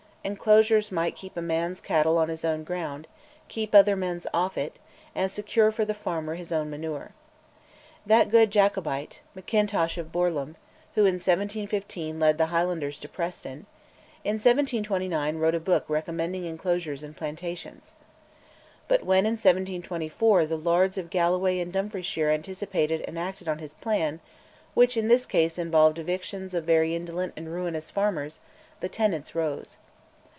Enclosures might keep a man's cattle on his own ground, keep other men's off it, and secure for the farmer his own manure. That good Jacobite, Mackintosh of Borlum, who in 1715 led the Highlanders to Preston, in 1729 wrote a book recommending enclosures and plantations. But when, in 1724, the lairds of Galloway and Dumfriesshire anticipated and acted on his plan, which in this case involved evictions of very indolent and ruinous farmers, the tenants rose.